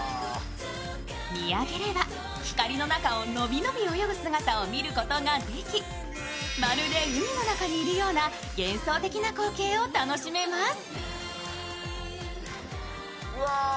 見上げれば、光の中を伸び伸び泳ぐ姿を見ることができまるで海の中にいるような幻想的な光景を楽しめます。